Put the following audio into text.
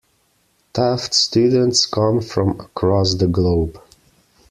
Taft students come from across the globe.